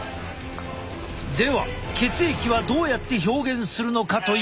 では血液はどうやって表現するのかというと。